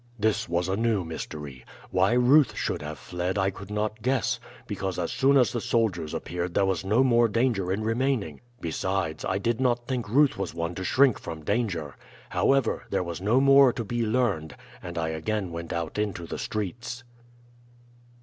"This was a new mystery. Why Ruth should have fled I could not guess, because as soon as the soldiers appeared there was no more danger in remaining. Besides, I did not think Ruth was one to shrink from danger. However, there was no more to be learned, and I again went out into the streets."